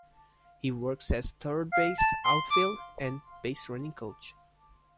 He works as third-base, outfield, and baserunning coach.